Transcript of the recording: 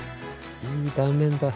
いい断面だ。